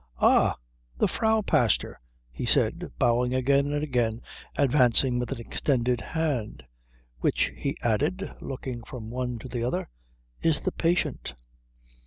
"Ah the Frau Pastor," he said, bowing again and again advancing with an extended hand. "Which," he added, looking from one to the other, "is the patient?"